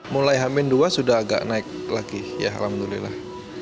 mulai hamin dua sudah agak naik lagi ya alhamdulillah